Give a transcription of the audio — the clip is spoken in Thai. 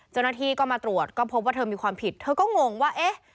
เจ้าหน้าที่ก็มาตรวจก็พบว่าเธอมีความผิดเธอก็งงว่าเอ๊ะ